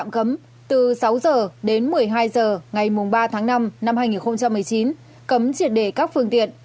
một các tuyến đường trong diện tạm cấm từ sáu h đến một mươi hai h ngày mùng ba tháng năm năm hai nghìn một mươi chín cấm triệt để các phương tiện